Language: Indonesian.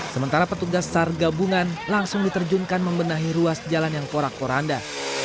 sementara petugas sar gabungan langsung diterjungkan membenahi ruas jalan yang korak koranda